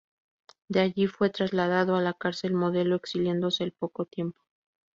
De allí fue trasladado a la Cárcel Modelo, exiliándose al poco tiempo.